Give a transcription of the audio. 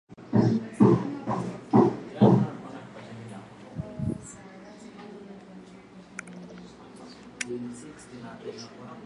kausha viazi lishe